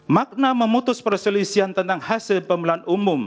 makna memutus perselisian tentang hasil pemilihan umum